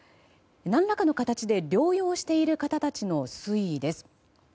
何らかの形で療養している方たちの推移です。